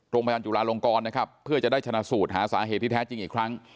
โรงพยาบาลจุลาลงกรนะครับเพื่อจะได้ชนะสูตรหาสาเหตุที่แท้จริงอีกครั้ง